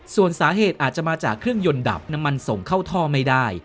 ส่วนสาเหตุอาจจะมาจากเครื่องยนต์ดับน้ำมันส่งเข้าท่อไม่ได้